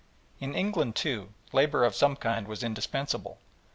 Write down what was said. In England, too, labour of some kind was indispensable.